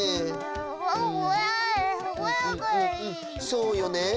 そうよね。